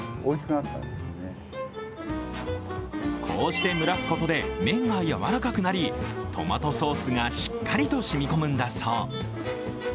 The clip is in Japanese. こうして蒸らすことで麺がやわらかくなりトマトソースがしっかりと染み込むんだそう。